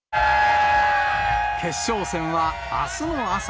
決勝戦はあすの朝。